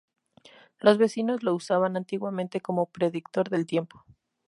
Los vecinos lo usaban antiguamente como predictor del tiempo.